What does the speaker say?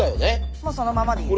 もうそのままでいいですね。